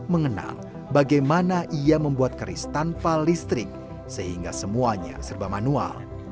mengenal bagaimana ia membuat keris tanpa listrik sehingga semuanya serba manual